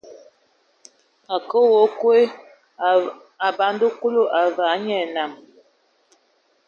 A kǝə we nkog, a banda Kulu, a vas nye enam.